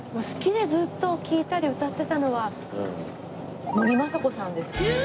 好きでずっと聴いたり歌ってたのは森昌子さんですね。